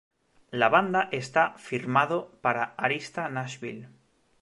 La banda está firmado para Arista Nashville.